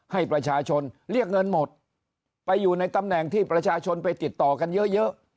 ให้ประชาชนเรียกเงินหมดไปอยู่ในตำแหน่งที่ประชาชนไปติดต่อกันเยอะ